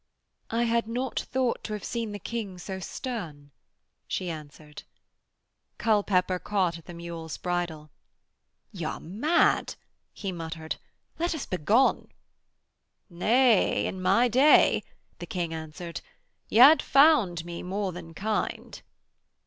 'I had not thought to have seen the King so stern,' she answered. Culpepper caught at the mule's bridle. 'Y' are mad,' he muttered. 'Let us begone.' 'Nay, in my day,' the King answered, 'y'ad found me more than kind.'